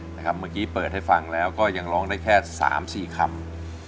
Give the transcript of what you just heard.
เมื่อกี้เปิดให้ฟังแล้วก็ยังร้องได้แค่๓๔คำ